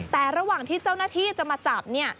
แต่ระหว่างที่เจ้าหน้าที่จะมาจับเนี่ย